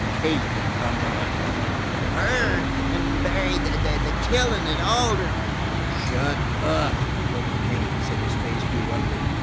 "Kate Cumberland." "Her! And Barry the Killing at Alder " "Shut up!" ordered Haines, and his face grew ugly.